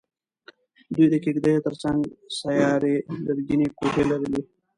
دوی د کېږدیو تر څنګ سیارې لرګینې کوټې لرلې.